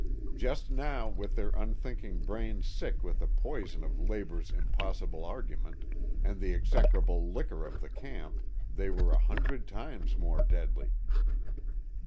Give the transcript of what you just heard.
Just now, with their unthinking brains sick with the poison of labor's impossible argument, and the execrable liquor of the camp, they were a hundred times more deadly.